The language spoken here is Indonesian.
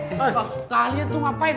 eh kalian tuh ngapain